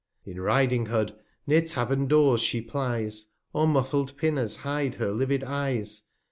In Riding hood, near Tavern Doors she plies, 275 Or muffled Pinners hide her livid Eyes.